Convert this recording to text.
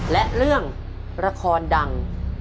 และเรื่องละครดัง